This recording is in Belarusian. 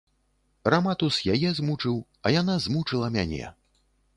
Раматус яе змучыў, а яна змучыла мяне.